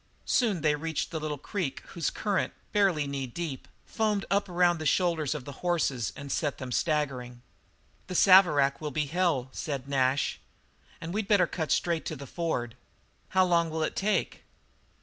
Soon they reached a little creek whose current, barely knee deep, foamed up around the shoulders of the horses and set them staggering. "The Saverack will be hell," said Nash, "and we'd better cut straight for the ford." "How long will it take?"